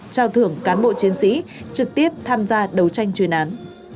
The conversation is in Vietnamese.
trao thưởng cán bộ chiến sĩ trực tiếp tham gia đấu tranh chuyên án